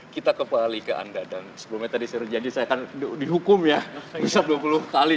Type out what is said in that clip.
kita kembali ke anda dan sebelumnya tadi saya rejadi saya kan dihukum ya usap dua puluh kali